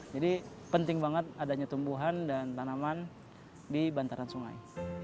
jadi penting banget adanya tumbuhan dan tanaman di bantaran sungai